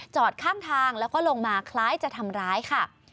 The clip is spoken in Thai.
จอดข้างทางแล้วก็ลงมาคล้ายจะทำร้ายค่ะ